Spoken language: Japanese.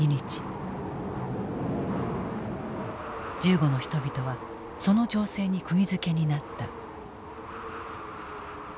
銃後の人々はその情勢にくぎづけになった。